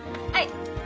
はい。